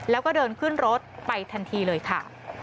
แล้วก็เดินขึ้นรถไปทันทีเลยค่ะ